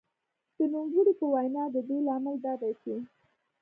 د نوموړې په وینا د دې لامل دا دی چې